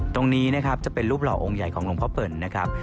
ตรงนี้นะครับจะเป็นรูปหล่อองค์ใหญ่ของหลวงพ่อเปิ่นนะครับ